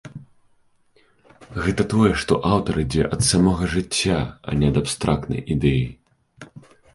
Гэта тое, што аўтар ідзе ад самога жыцця, а не ад абстрактнай ідэі.